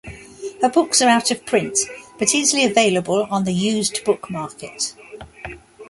Her books are out of print, but easily available on the used book market.